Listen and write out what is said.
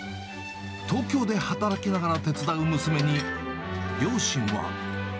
東京で働きながら手伝う娘に、両親は。